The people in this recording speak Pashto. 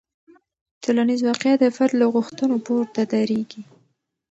ټولنیز واقیعت د فرد له غوښتنو پورته دریږي.